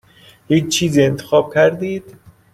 هیچ چیزی انتخاب کردید؟